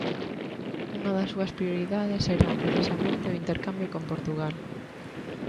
Unha das súas prioridades será, precisamente, o intercambio con Portugal.